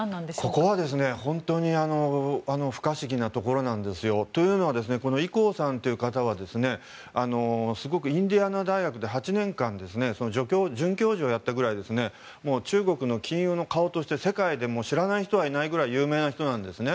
ここは本当に不可思議なところなんですよ。というのはイ・コウさんという方はインディアナ大学で８年間、准教授をやったぐらい中国の金融の顔として世界で知らない人はいないくらい有名な人なんですね。